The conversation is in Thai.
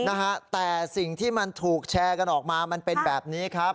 นะฮะแต่สิ่งที่มันถูกแชร์กันออกมามันเป็นแบบนี้ครับ